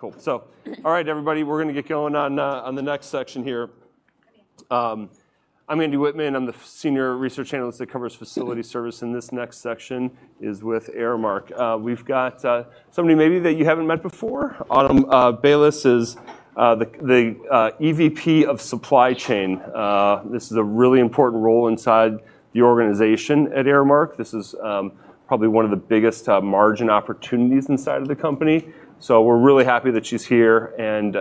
Cool. All right, everybody, we're going to get going on the next section here. I'm Andrew Wittmann, I'm the Senior Research Analyst that covers facility service, and this next section is with Aramark. We've got somebody maybe that you haven't met before. Autumn Bayles is the EVP of Supply Chain. This is a really important role inside the organization at Aramark. This is probably one of the biggest margin opportunities inside of the company, so we're really happy that she's here and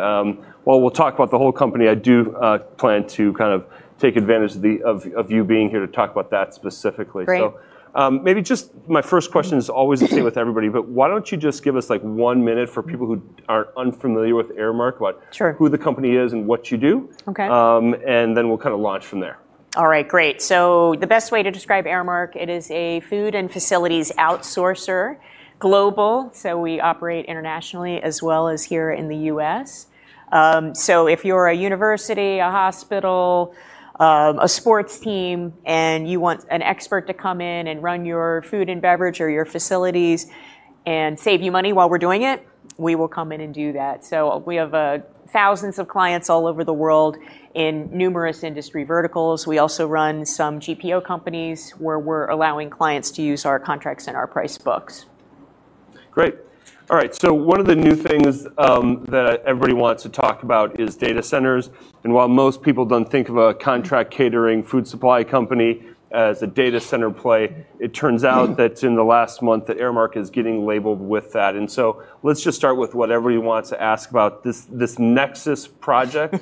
while we'll talk about the whole company, I do plan to kind of take advantage of you being here to talk about that specifically. Maybe just my first question is always the same with everybody, but why don't you just give us one minute for people who are unfamiliar with Aramark. Who the company is and what you do? We'll kind of launch from there. All right, great. The best way to describe Aramark, it is a food and facilities outsourcer. Global, we operate internationally as well as here in the U.S. If you're a university, a hospital, a sports team, and you want an expert to come in and run your food and beverage or your facilities and save you money while we're doing it, we will come in and do that. We have thousands of clients all over the world in numerous industry verticals. We also run some GPO companies where we're allowing clients to use our contracts and our price books. Great. All right. One of the new things that everybody wants to talk about is data centers, and while most people don't think of a contract catering food supply company as a data center play, it turns out that in the last month, that Aramark is getting labeled with that. Let's just start with what everybody wants to ask about, this Nexus project,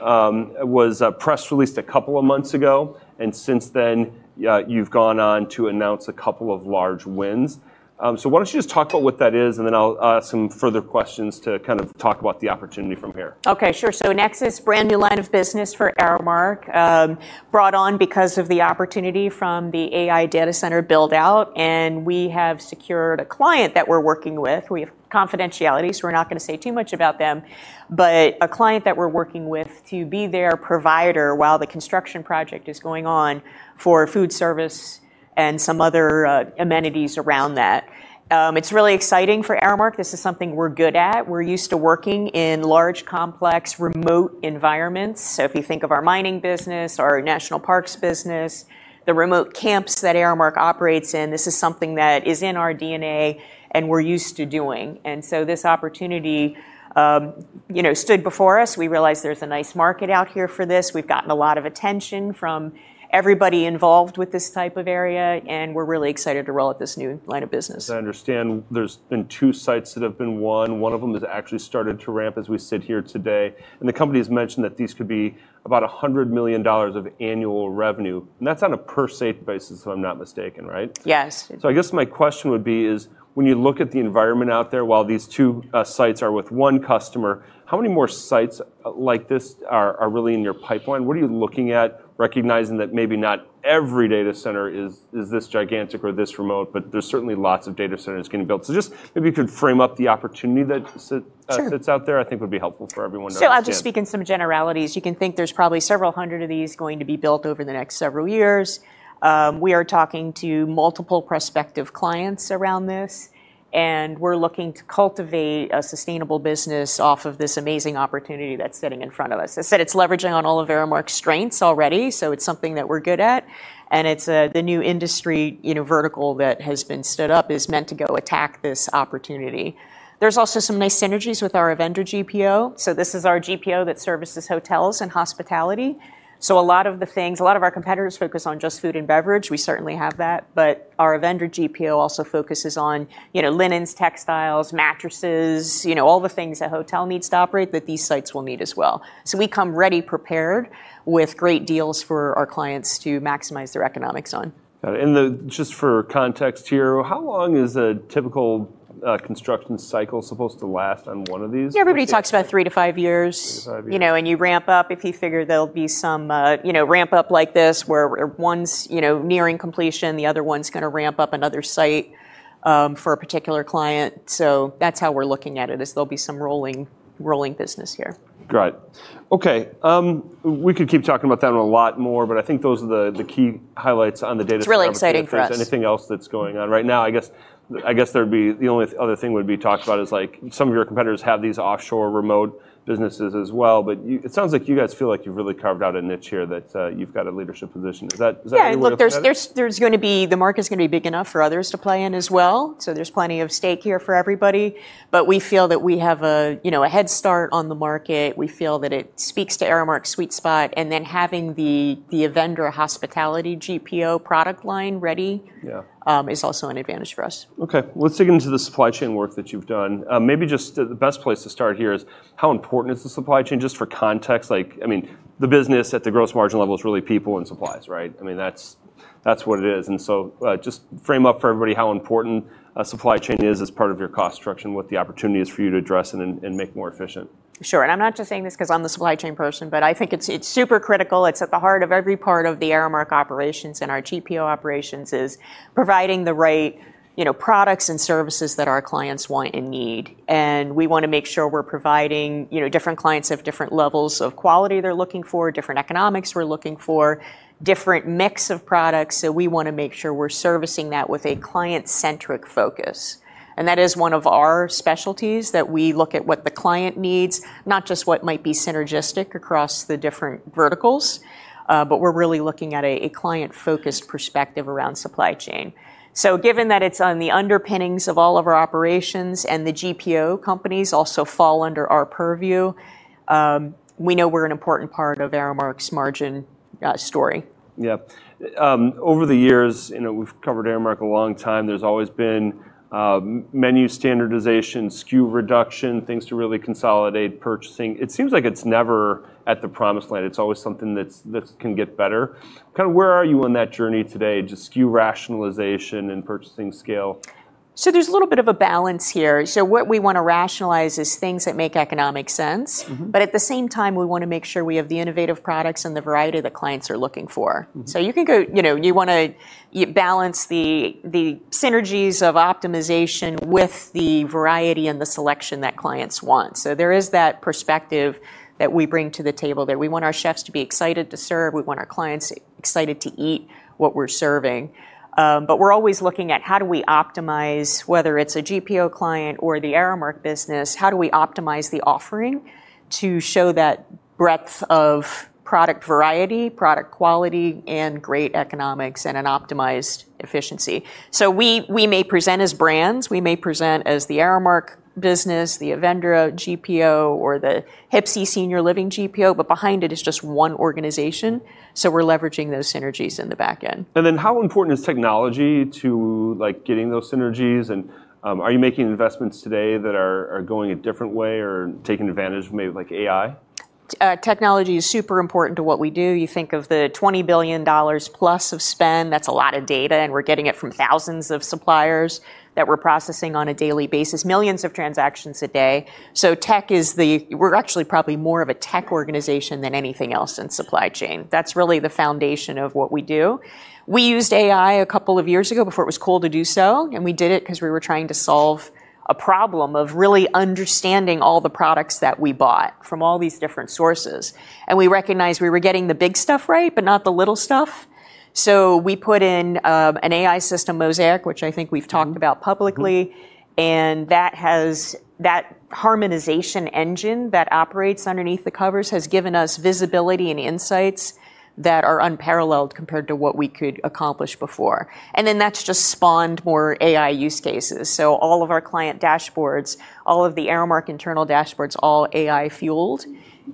was press released a couple of months ago, and since then, you've gone on to announce a couple of large wins. Why don't you just talk about what that is and then I'll ask some further questions to kind of talk about the opportunity from here. Okay, sure. Nexus, brand new line of business for Aramark, brought on because of the opportunity from the AI data center build-out, and we have secured a client that we're working with. We have confidentiality, so we're not going to say too much about them, but a client that we're working with to be their provider while the construction project is going on for food service and some other amenities around that. It's really exciting for Aramark. This is something we're good at. We're used to working in large, complex, remote environments. If you think of our mining business, our national parks business, the remote camps that Aramark operates in, this is something that is in our DNA and we're used to doing. This opportunity stood before us. We realize there's a nice market out here for this. We've gotten a lot of attention from everybody involved with this type of area, and we're really excited to roll out this new line of business. I understand there's been two sites that have been won. One of them has actually started to ramp as we sit here today, and the company's mentioned that these could be about $100 million of annual revenue. That's on a per site basis, if I'm not mistaken, right? Yes. I guess my question would be is when you look at the environment out there, while these two sites are with one customer, how many more sites like this are really in your pipeline? What are you looking at recognizing that maybe not every data center is this gigantic or this remote, but there's certainly lots of data centers getting built? Just maybe if you could frame up the opportunity that's out there I think would be helpful for everyone to understand. I'll just speak in some generalities. You can think there's probably several hundred of these going to be built over the next several years. We are talking to multiple prospective clients around this, and we're looking to cultivate a sustainable business off of this amazing opportunity that's sitting in front of us. As I said, it's leveraging on all of Aramark's strengths already, so it's something that we're good at, and it's the new industry vertical that has been stood up is meant to go attack this opportunity. There's also some nice synergies with our Avendra GPO. This is our GPO that services hotels and hospitality. A lot of our competitors focus on just food and beverage. We certainly have that, but our Avendra GPO also focuses on linens, textiles, mattresses, all the things a hotel needs to operate that these sites will need as well. We come ready prepared with great deals for our clients to maximize their economics on. Got it. Just for context here, how long is a typical construction cycle supposed to last on one of these? Yeah, everybody talks about three to five years. Three to five years. You ramp up, if you figure there'll be some ramp up like this where one's nearing completion, the other one's going to ramp up another site, for a particular client. That's how we're looking at it is there'll be some rolling business here. Got it. Okay. We could keep talking about that a lot more, but I think those are the key highlights on the data center. It's really exciting for us. If there's anything else that's going on right now, I guess, the only other thing would be talked about is some of your competitors have these offshore remote businesses as well, but it sounds like you guys feel like you've really carved out a niche here, that you've got a leadership position. Is that a way to look at it? Yeah. Look, the market's going to be big enough for others to play in as well. There's plenty of stake here for everybody. We feel that we have a head start on the market. We feel that it speaks to Aramark's sweet spot, having the Avendra hospitality GPO product line ready is also an advantage for us. Okay. Let's dig into the supply chain work that you've done. Maybe just the best place to start here is how important is the supply chain, just for context, the business at the gross margin level is really people and supplies, right? That's what it is, and so just frame up for everybody how important supply chain is as part of your cost structure and what the opportunity is for you to address and make more efficient. Sure. I'm not just saying this because I'm the supply chain person, but I think it's super critical. It's at the heart of every part of the Aramark operations, and our GPO operations is providing the right products and services that our clients want and need. We want to make sure we're providing different clients of different levels of quality they're looking for, different economics we're looking for, different mix of products. We want to make sure we're servicing that with a client-centric focus. That is one of our specialties, that we look at what the client needs, not just what might be synergistic across the different verticals, but we're really looking at a client-focused perspective around supply chain. Given that it's on the underpinnings of all of our operations and the GPO companies also fall under our purview. We know we're an important part of Aramark's margin story. Yep. Over the years, we've covered Aramark a long time, there's always been menu standardization, SKU reduction, things to really consolidate purchasing. It seems like it's never at the promised land. It's always something that can get better. Where are you on that journey today to SKU rationalization and purchasing scale? There's a little bit of a balance here. What we want to rationalize is things that make economic sense. At the same time, we want to make sure we have the innovative products and the variety that clients are looking for. You want to balance the synergies of optimization with the variety and the selection that clients want. There is that perspective that we bring to the table, that we want our chefs to be excited to serve, we want our clients excited to eat what we're serving. We're always looking at how do we optimize, whether it's a GPO client or the Aramark business, how do we optimize the offering to show that breadth of product variety, product quality, and great economics, and an optimized efficiency. We may present as brands, we may present as the Aramark business, the Avendra GPO, or the HPSI Senior Living GPO, but behind it is just one organization, so we're leveraging those synergies in the back end. How important is technology to getting those synergies? Are you making investments today that are going a different way or taking advantage of maybe AI? Technology is super important to what we do. You think of the $20 billion plus of spend, that's a lot of data, and we're getting it from thousands of suppliers that we're processing on a daily basis, millions of transactions a day. We're actually probably more of a tech organization than anything else in supply chain. That's really the foundation of what we do. We used AI a couple of years ago before it was cool to do so, and we did it because we were trying to solve a problem of really understanding all the products that we bought from all these different sources. And we recognized we were getting the big stuff right, but not the little stuff. We put in an AI system, Mosaic, which I think we've talked about publicly. That harmonization engine that operates underneath the covers has given us visibility and insights that are unparalleled compared to what we could accomplish before. That's just spawned more AI use cases. All of our client dashboards, all of the Aramark internal dashboards, all AI fueled,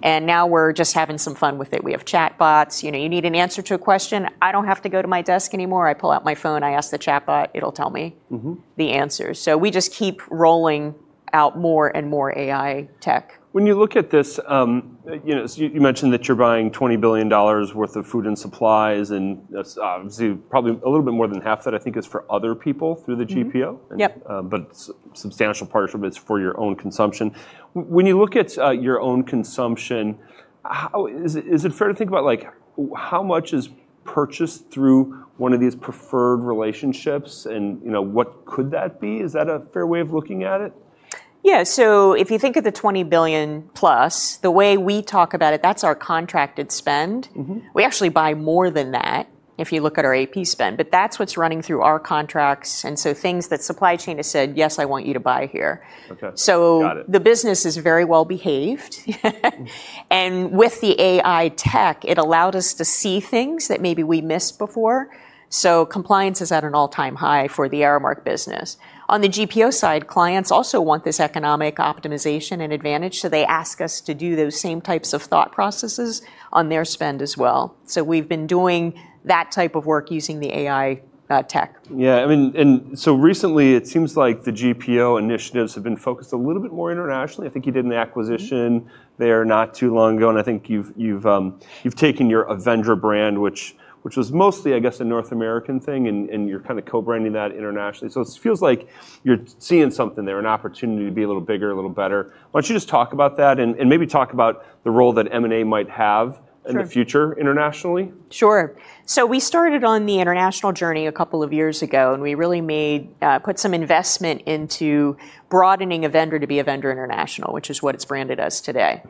and now we're just having some fun with it. We have chatbots. You need an answer to a question, I don't have to go to my desk anymore. I pull out my phone, I ask the chatbot, it'll tell me the answer. We just keep rolling out more and more AI tech. When you look at this, you mentioned that you're buying $20 billion worth of food and supplies, and obviously, probably a little bit more than half that, I think, is for other people through the GPO. A substantial portion of it's for your own consumption. When you look at your own consumption, is it fair to think about how much is purchased through one of these preferred relationships and what could that be? Is that a fair way of looking at it? Yeah. If you think of the $20 billion plus, the way we talk about it, that's our contracted spend. We actually buy more than that, if you look at our AP spend, but that's what's running through our contracts, and so things that supply chain has said, "Yes, I want you to buy here." Okay. Got it. The business is very well-behaved. With the AI tech, it allowed us to see things that maybe we missed before. Compliance is at an all-time high for the Aramark business. On the GPO side, clients also want this economic optimization and advantage, so they ask us to do those same types of thought processes on their spend as well. We've been doing that type of work using the AI tech. Yeah. Recently, it seems like the GPO initiatives have been focused a little bit more internationally. I think you did an acquisition there not too long ago, and I think you've taken your Avendra brand, which was mostly, I guess, a North American thing, and you're kind of co-branding that internationally. It feels like you're seeing something there, an opportunity to be a little bigger, a little better. Why don't you just talk about that and maybe talk about the role that M&A might have in the future internationally? Sure. We started on the international journey a couple of years ago, and we really put some investment into broadening Avendra to be Avendra International, which is what it's branded as today.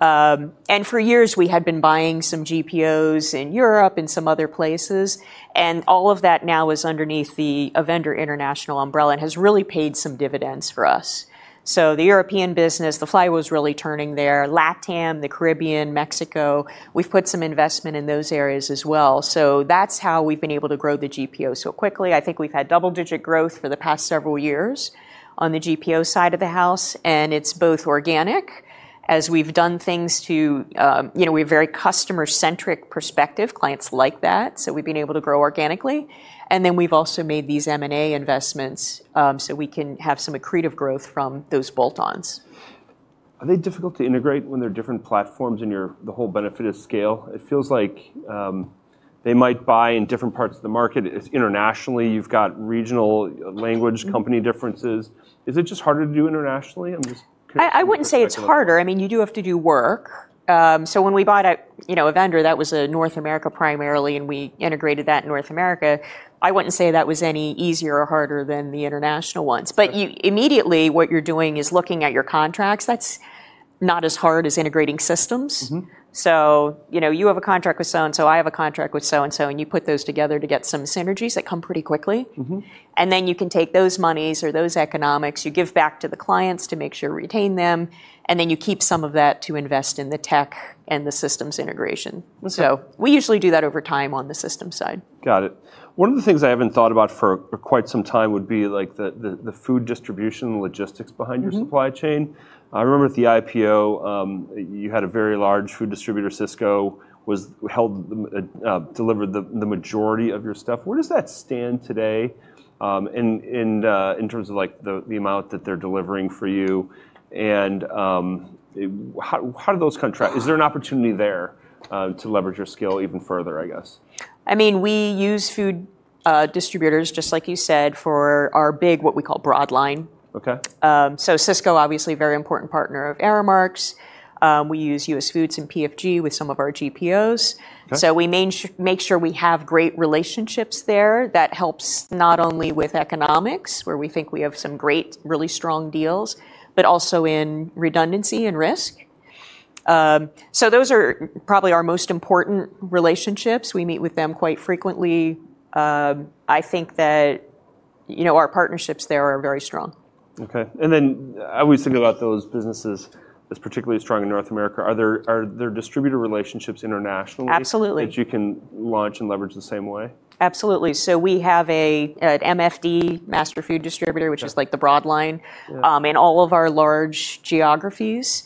For years, we had been buying some GPOs in Europe and some other places, and all of that now is underneath the Avendra International umbrella and has really paid some dividends for us. The European business, the flywheel's really turning there. LATAM, the Caribbean, Mexico, we've put some investment in those areas as well. That's how we've been able to grow the GPO so quickly. I think we've had double-digit growth for the past several years on the GPO side of the house, and it's both organic, we have a very customer-centric perspective. Clients like that, we've been able to grow organically. We've also made these M&A investments, so we can have some accretive growth from those bolt-ons. Are they difficult to integrate when they're different platforms and the whole benefit is scale? It feels like they might buy in different parts of the market. It's internationally, you've got regional language company differences. Is it just harder to do internationally? I'm just curious from your perspective. I wouldn't say it's harder. You do have to do work. When we bought Avendra, that was North America primarily, and we integrated that in North America. I wouldn't say that was any easier or harder than the international ones. Immediately, what you're doing is looking at your contracts. That's not as hard as integrating systems. You have a contract with so-and-so, I have a contract with so-and-so, and you put those together to get some synergies that come pretty quickly. You can take those monies or those economics, you give back to the clients to make sure retain them, and then you keep some of that to invest in the tech and the systems integration. We usually do that over time on the systems side. Got it. One of the things I haven't thought about for quite some time would be the food distribution logistics behind your supply chain. I remember at the IPO, you had a very large food distributor, Sysco, delivered the majority of your stuff. Where does that stand today, in terms of the amount that they're delivering for you? Is there an opportunity there, to leverage your scale even further, I guess? We use food distributors, just like you said, for our big, what we call broadline. Sysco, obviously a very important partner of Aramark's. We use US Foods and PFG with some of our GPOs. We make sure we have great relationships there. That helps not only with economics, where we think we have some great, really strong deals, but also in redundancy and risk. Those are probably our most important relationships. We meet with them quite frequently. I think that our partnerships there are very strong. Okay. I always think about those businesses as particularly strong in North America. Are there distributor relationships internationally? Absolutely That you can launch and leverage the same way? Absolutely. We have an MFD, master food distributor which is like the broadline in all of our large geographies.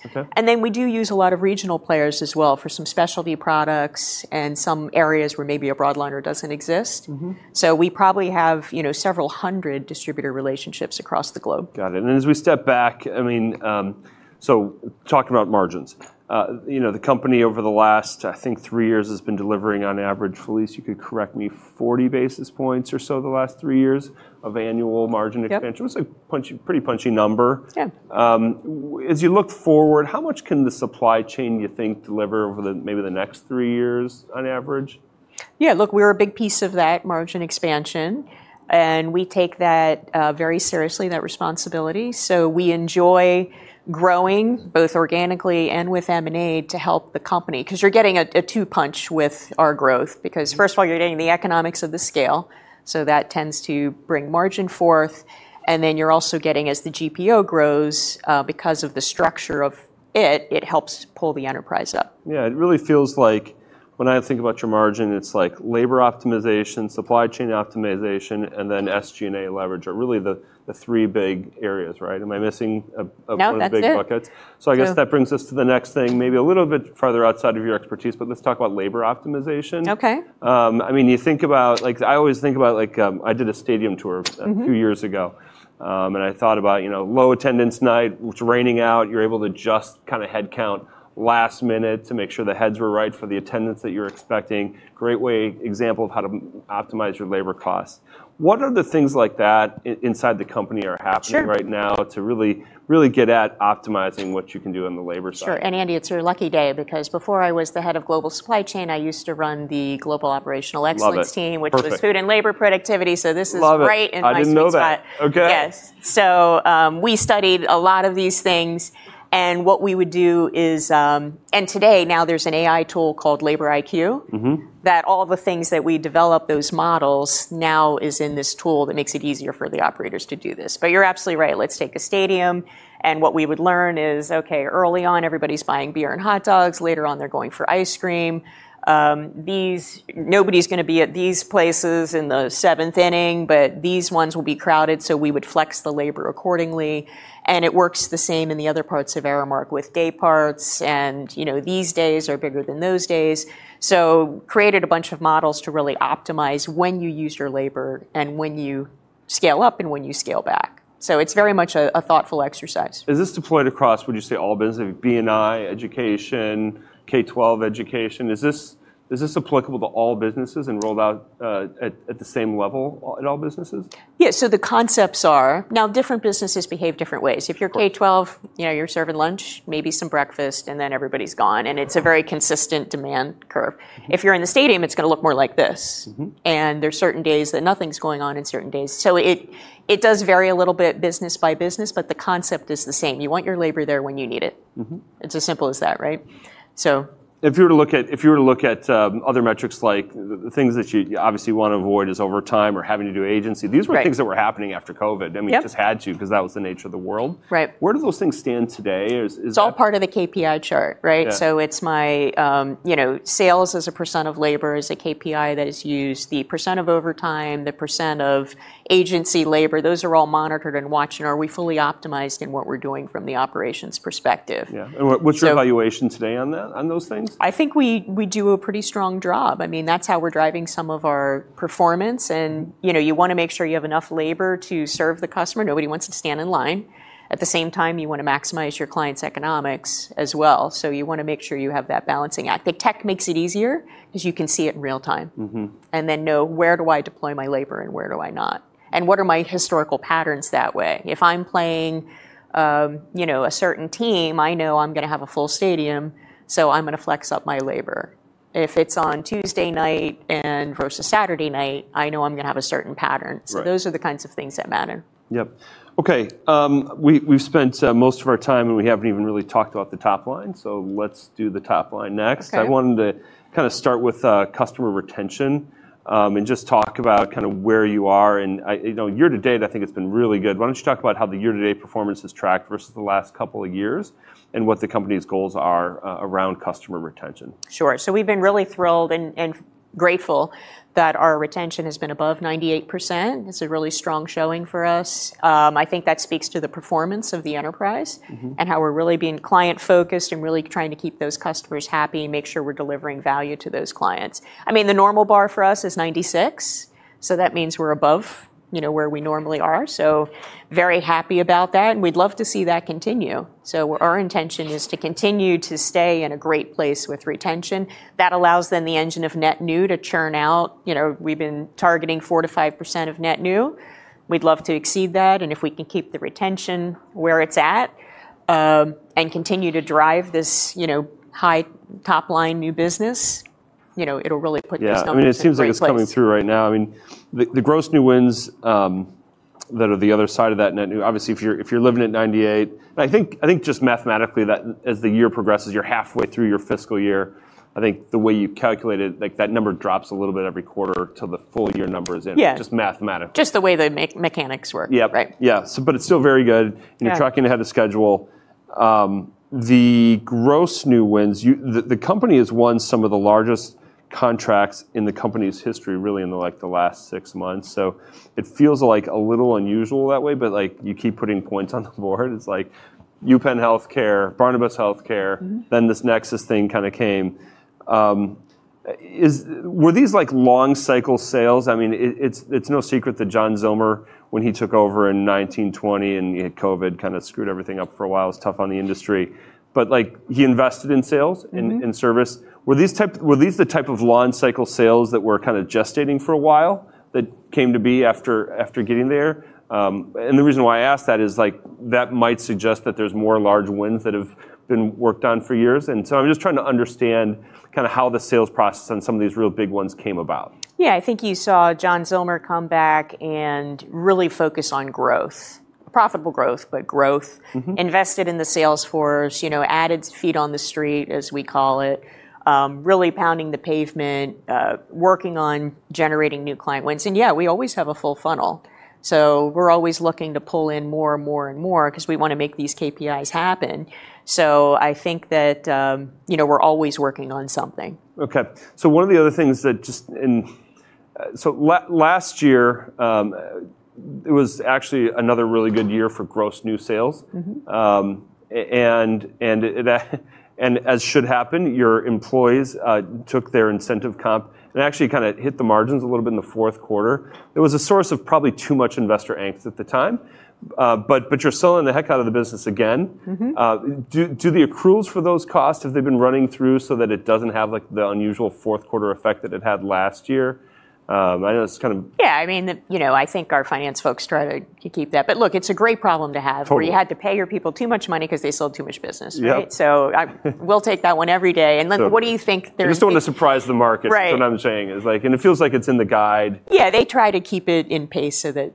We do use a lot of regional players as well for some specialty products and some areas where maybe a broadliner doesn't exist. We probably have several hundred distributor relationships across the globe. Got it. As we step back, talking about margins. The company over the last, I think, three years has been delivering on average, Felise, you could correct me, 40 basis points or so the last three years of annual margin expansion. It's a pretty punchy number. Yeah. As you look forward, how much can the supply chain, you think, deliver over the, maybe the next three years on average? Look, we're a big piece of that margin expansion, and we take that very seriously, that responsibility. We enjoy growing, both organically and with M&A, to help the company. You're getting a two-punch with our growth, because first of all, you're getting the economics of the scale, so that tends to bring margin forth, and then you're also getting, as the GPO grows, because of the structure of it helps pull the enterprise up. Yeah. It really feels like when I think about your margin, it's labor optimization, supply chain optimization, and then SG&A leverage are really the three big areas, right? No, that's it. One of the big buckets? I guess that brings us to the next thing, maybe a little bit farther outside of your expertise, but let's talk about labor optimization. I always think about, I did a stadium tour a few years ago. I thought about low attendance night, it's raining out, you're able to adjust headcount last minute to make sure the heads were right for the attendance that you're expecting. Great example of how to optimize your labor costs. What other things like that inside the company are happening right now to really get at optimizing what you can do on the labor side? Sure. Andy, it's your lucky day, because before I was the head of global supply chain, I used to run the global operational excellence team. Love it. Perfect. Which was food and labor productivity. Love it. Right in my sweet spot. I didn't know that. Okay. Yes. We studied a lot of these things, and what we would do is today, now there's an AI tool called Labor IQ that all the things that we develop, those models, now is in this tool that makes it easier for the operators to do this. You're absolutely right. Let's take a stadium, what we would learn is, okay, early on, everybody's buying beer and hot dogs. Later on, they're going for ice cream. Nobody's going to be at these places in the seventh inning, but these ones will be crowded, so we would flex the labor accordingly. It works the same in the other parts of Aramark with day parts and these days are bigger than those days. Created a bunch of models to really optimize when you use your labor and when you scale up and when you scale back. It's very much a thoughtful exercise. Is this deployed across, would you say all business, B&I, education, K12 education? Is this applicable to all businesses and rolled out, at the same level at all businesses? Yeah. The concepts are Now, different businesses behave different ways. If you're K12, you're serving lunch, maybe some breakfast, and then everybody's gone, and it's a very consistent demand curve. If you're in the stadium, it's going to look more like this. There's certain days that nothing's going on in certain days. It does vary a little bit business by business, but the concept is the same. You want your labor there when you need it. It's as simple as that, right? If you were to look at other metrics, like the things that you obviously want to avoid is overtime or having to do agency. These were things that were happening after COVID. We just had to because that was the nature of the world. Where do those things stand today? It's all part of the KPI chart, right? It's my sales as a % of labor is a KPI that is used, the % of overtime, the % of agency labor, those are all monitored and watched, and are we fully optimized in what we're doing from the operations perspective? Yeah. What's your evaluation today on that, on those things? I think we do a pretty strong job. That's how we're driving some of our performance and you want to make sure you have enough labor to serve the customer. Nobody wants to stand in line. At the same time, you want to maximize your client's economics as well. You want to make sure you have that balancing act. The tech makes it easier because you can see it in real time. Know where do I deploy my labor and where do I not? What are my historical patterns that way? If I'm playing a certain team, I know I'm going to have a full stadium, so I'm going to flex up my labor. If it's on Tuesday night versus Saturday night, I know I'm going to have a certain pattern. Those are the kinds of things that matter. Yep. Okay. We've spent most of our time, and we haven't even really talked about the top line, so let's do the top line next. I wanted to start with customer retention, and just talk about where you are. Year-to-date, I think it's been really good. Why don't you talk about how the year-to-date performance has tracked versus the last couple of years, and what the company's goals are around customer retention? Sure. We've been really thrilled and grateful that our retention has been above 98%. It's a really strong showing for us. I think that speaks to the performance of the enterprise. How we're really being client-focused and really trying to keep those customers happy and make sure we're delivering value to those clients. The normal bar for us is 96, so that means we're above where we normally are, so very happy about that, and we'd love to see that continue. Our intention is to continue to stay in a great place with retention. That allows, then, the engine of net new to churn out. We've been targeting 4%-5% of net new. We'd love to exceed that, and if we can keep the retention where it's at, and continue to drive this high top-line new business. It'll really put these numbers in a great place. Yeah. It seems like it's coming through right now. The gross new wins that are the other side of that net new, obviously if you're living at 98, I think just mathematically that as the year progresses, you're halfway through your fiscal year, I think the way you calculate it, that number drops a little bit every quarter till the full year number is in. Just mathematically. Just the way the mechanics work. Yep. Yeah. It's still very good. You're tracking ahead of schedule. The gross new wins, the company has won some of the largest contracts in the company's history, really in the last six months. It feels a little unusual that way, but you keep putting points on the board. It's like Penn Medicine, RWJBarnabas Healthcare, then this Aramark Nexus thing kind of came. Were these long cycle sales? It's no secret that John Zillmer, when he took over in 2019, and you had COVID kind of screwed everything up for a while. It was tough on the industry. He invested in sales and service. Were these the type of long cycle sales that were kind of gestating for a while, that came to be after getting there? The reason why I ask that is, that might suggest that there's more large wins that have been worked on for years. I'm just trying to understand how the sales process on some of these real big ones came about. Yeah. I think you saw John Zillmer come back and really focus on growth. Profitable growth. Invested in the sales force, added feet on the street, as we call it. Really pounding the pavement, working on generating new client wins. We always have a full funnel, so we're always looking to pull in more and more and more because we want to make these KPIs happen. I think that we're always working on something. Okay. One of the other things, last year, it was actually another really good year for gross new sales. As should happen, your employees took their incentive comp, and it actually kind of hit the margins a little bit in the fourth quarter. It was a source of probably too much investor angst at the time. You're selling the heck out of the business again. Do the accruals for those costs, have they been running through so that it doesn't have the unusual fourth quarter effect that it had last year? Yeah, I think our finance folks try to keep that. Look, it's a great problem to have where you had to pay your people too much money because they sold too much business, right? Yep. We'll take that one every day. What do you think? You just don't want to surprise the market is what I'm saying. It feels like it's in the guide. Yeah. They try to keep it in pace so that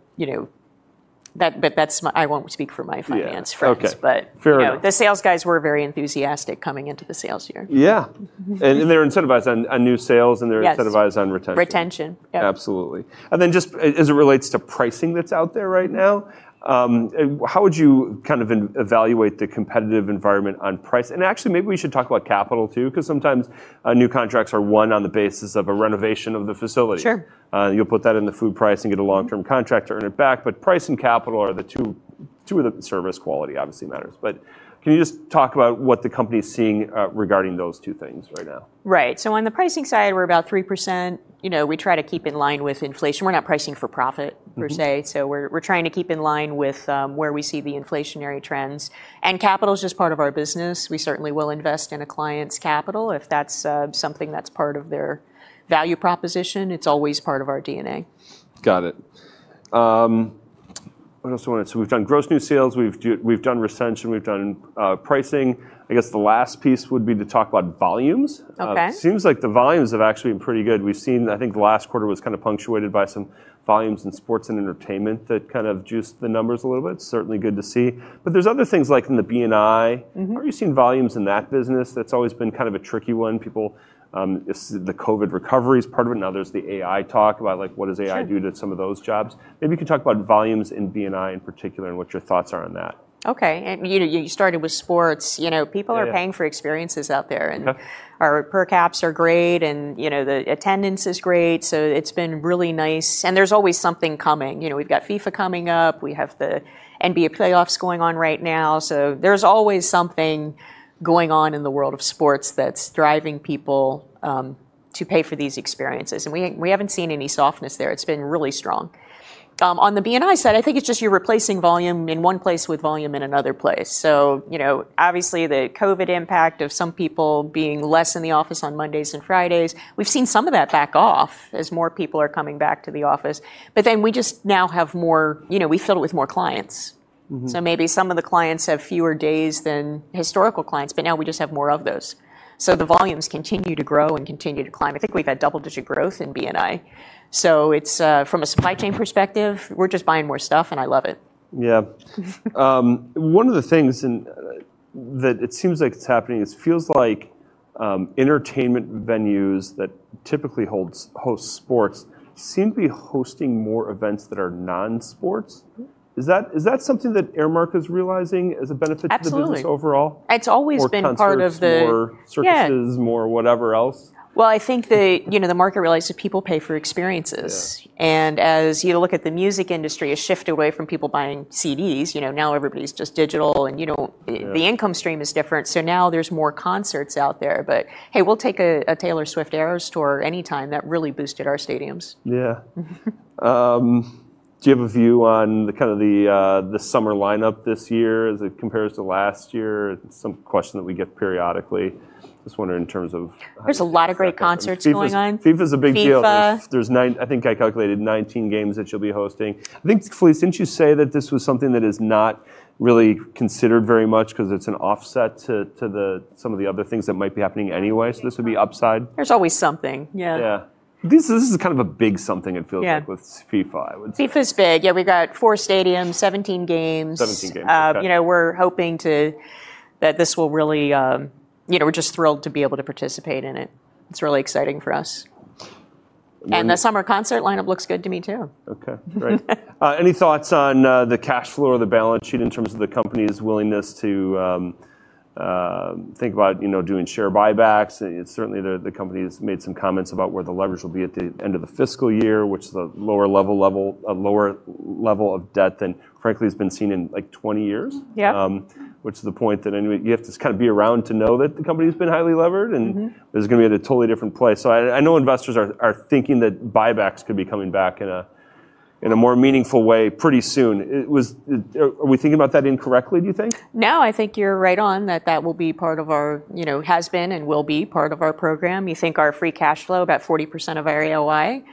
I won't speak for my finance friends. Yeah. Okay. Fair enough. The sales guys were very enthusiastic coming into the sales year. Yeah. They're incentivized on new sales, incentivized on retention. Retention. Yep. Absolutely. Just as it relates to pricing that's out there right now, how would you evaluate the competitive environment on price? Actually, maybe we should talk about capital too, because sometimes new contracts are won on the basis of a renovation of the facility. You'll put that in the food price and get a long-term contract to earn it back, but price and capital are the two, service quality obviously matters. Can you just talk about what the company's seeing regarding those two things right now? Right. On the pricing side, we're about 3%. We try to keep in line with inflation. We're not pricing for profit, per se. We're trying to keep in line with where we see the inflationary trends. Capital's just part of our business. We certainly will invest in a client's capital if that's something that's part of their value proposition. It's always part of our DNA. Got it. What else do I want to We've done gross new sales, we've done retention, we've done pricing. I guess the last piece would be to talk about volumes. It seems like the volumes have actually been pretty good. We've seen, I think the last quarter was kind of punctuated by some volumes in sports and entertainment that kind of juiced the numbers a little bit. Certainly good to see. There's other things like in the B&I. How are you seeing volumes in that business? That's always been kind of a tricky one. The COVID recovery is part of it. Now there's the AI talk about what does AI do to some of those jobs. Maybe you could talk about volumes in B&I in particular, and what your thoughts are on that. Okay. You started with sports. People are paying for experiences out there. Our per caps are great, and the attendance is great, so it's been really nice. There's always something coming. We've got FIFA coming up. We have the NBA playoffs going on right now. There's always something going on in the world of sports that's driving people to pay for these experiences, and we haven't seen any softness there. It's been really strong. On the B&I side, I think it's just you're replacing volume in one place with volume in another place. Obviously the COVID impact of some people being less in the office on Mondays and Fridays, we've seen some of that back off as more people are coming back to the office. We just now fill it with more clients. So maybe some of the clients have fewer days than historical clients, but now we just have more of those. The volumes continue to grow and continue to climb. I think we've had double-digit growth in B&I. So from a supply chain perspective, we're just buying more stuff, and I love it. Yeah. One of the things that it seems like is happening is it feels like entertainment venues that typically host sports seem to be hosting more events that are non-sports. Is that something that Aramark is realizing as a benefit to the business overall? Absolutely. It's always been part of the More concerts, circuses, more whatever else. Well, I think the market realized that people pay for experiences. As you look at the music industry, a shift away from people buying CDs, now everybody's just digital. The income stream is different. Now there's more concerts out there. Hey, we'll take a Taylor Swift Eras Tour anytime. That really boosted our stadiums. Yeah. Do you have a view on the summer lineup this year as it compares to last year? It's a question that we get periodically. Just wondering in terms of how you stack up. There's a lot of great concerts going on. FIFA's a big deal. FIFA. I think I calculated 19 games that you'll be hosting. I think, Felise, didn't you say that this was something that is not really considered very much because it's an offset to some of the other things that might be happening anyway? This would be upside? There's always something. Yeah. Yeah. This is kind of a big something, it feels like with FIFA, I would say. FIFA's big. Yeah, we've got four stadiums, 17 games. 17 games. Okay. We're just thrilled to be able to participate in it. It's really exciting for us. The summer concert lineup looks good to me, too. Okay. Great. Any thoughts on the cash flow or the balance sheet in terms of the company's willingness to think about doing share buybacks? Certainly, the company has made some comments about where the leverage will be at the end of the fiscal year, which is a lower level of debt than, frankly, has been seen in, like, 20 years. Which is a point that you have to kind of be around to know that the company's been highly levered is going to be at a totally different place. I know investors are thinking that buybacks could be coming back in a more meaningful way pretty soon. Are we thinking about that incorrectly, do you think? No, I think you're right on, that that has been and will be part of our program. You think our free cash flow, about 40% of our AOI,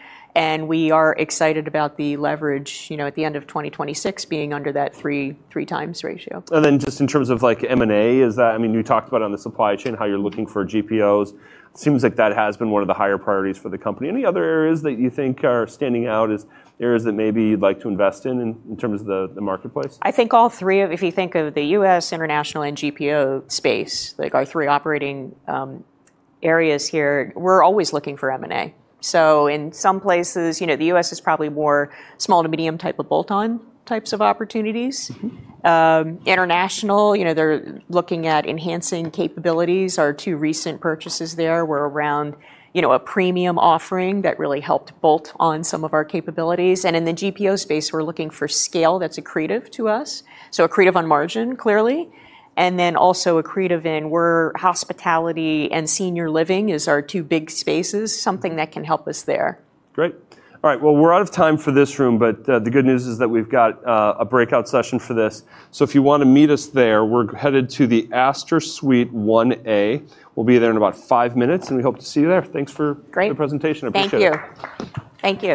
we are excited about the leverage at the end of 2026 being under that three times ratio. Then just in terms of M&A, you talked about on the supply chain how you're looking for GPOs. It seems like that has been one of the higher priorities for the company. Any other areas that you think are standing out as areas that maybe you'd like to invest in terms of the marketplace? I think all three. If you think of the U.S., international, and GPO space, our three operating areas here, we're always looking for M&A. In some places, the U.S. is probably more small to medium type of bolt-on types of opportunities. International, they're looking at enhancing capabilities. Our two recent purchases there were around a premium offering that really helped bolt on some of our capabilities. In the GPO space, we're looking for scale that's accretive to us. Accretive on margin, clearly, and then also accretive in where hospitality and senior living is our two big spaces, something that can help us there. Great. All right, well, we're out of time for this room, but the good news is that we've got a breakout session for this. If you want to meet us there, we're headed to the Astor Suite 1A. We'll be there in about five minutes, and we hope to see you there. Thanks for the presentation. I appreciate it. Great. Thank you. Thank you.